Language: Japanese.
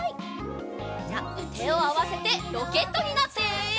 じゃてをあわせてロケットになって。